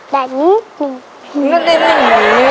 ได้นิดนึง